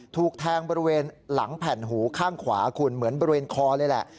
ถูกแทงบริเวณหลังแผ่นหูข้างขวาคุณเหมือนบริเวณคอเลยแหละ